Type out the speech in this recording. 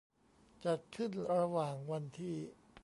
จัดขึ้นระหว่างวันที่